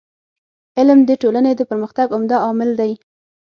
علم د ټولني د پرمختګ عمده عامل دی.